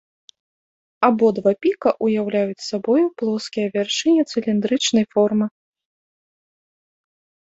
Абодва піка ўяўляюць сабою плоскія вяршыні цыліндрычнай формы.